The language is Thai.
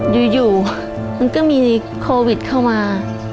อยู่มันก็มีโควิดเข้ามา